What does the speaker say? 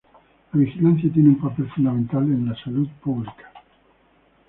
La vigilancia tiene un papel fundamental en la salud pública.